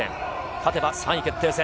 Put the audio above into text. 勝てば３位決定戦。